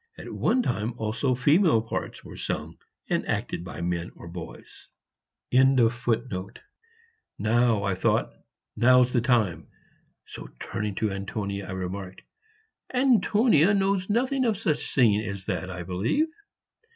At one time also female parts were sung and acted by men or boys.] Now, thought I, now's the time; so turning to Antonia, I remarked, "Antonia knows nothing of such singing as that, I believe?"